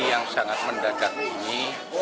yang sangat mendadak ini